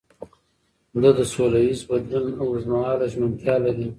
ده د سولهییز بدلون اوږدمهاله ژمنتیا لري.